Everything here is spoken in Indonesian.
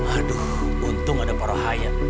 aduh untung ada buruh haya